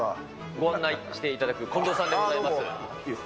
ご案内していただく近藤さんでございます。